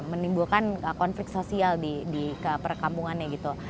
menimbulkan konflik sosial di perkampungannya gitu